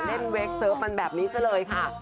เล่นเวลกเสิร์ฟมันแบบนี้ซะเลยค่ะ